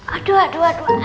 aduh aduh aduh